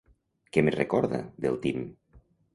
Què més recorda, del Tim?